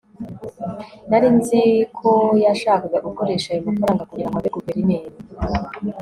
nari nzi ko yashakaga gukoresha ayo mafaranga kugirango abe guverineri